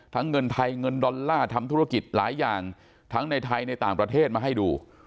เงินไทยเงินดอลลาร์ทำธุรกิจหลายอย่างทั้งในไทยในต่างประเทศมาให้ดู